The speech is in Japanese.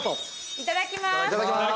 いただきます。